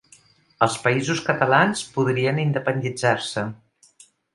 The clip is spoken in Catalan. Els Països Catalans podrien independitzar-se